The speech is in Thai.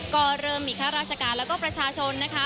ก็เริ่มมีข้าราชการและประชาชน